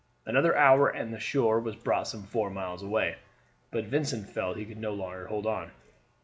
Another hour and the shore was but some four miles away, but Vincent felt he could no longer hold on.